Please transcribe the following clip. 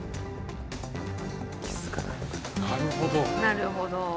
なるほど。